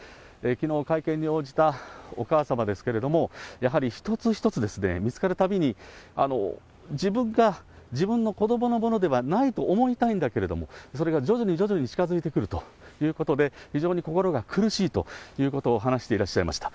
きのう会見に応じたお母様ですけれども、やはり一つ一つ、見つかるたびに自分の子どものものではないと思いたいんだけれども、それが徐々に徐々に近づいてくるということで、非常に心が苦しいということを話していらっしゃいました。